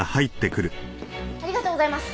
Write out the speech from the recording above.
ありがとうございます。